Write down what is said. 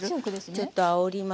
ちょっとあおりますから。